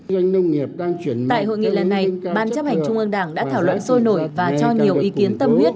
tại hội nghị lần này ban chấp hành trung ương đảng đã thảo luận sôi nổi và cho nhiều ý kiến tâm huyết